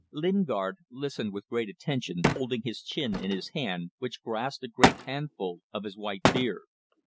Lingard listened with great attention, holding his chin in his hand, which grasped a great handful of his white beard.